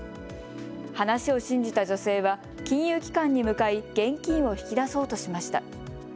話を信じた女性は金融機関に向かい現金を引き出そうとしました。